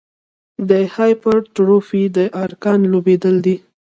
د هایپرټروفي د ارګان لویېدل دي.